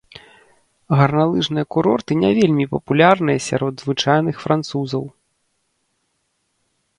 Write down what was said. Гарналыжныя курорты не вельмі папулярныя сярод звычайных французаў.